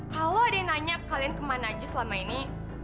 kalau ada yang nanya kalian kemana aja selama ini